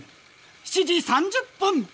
７時３０分！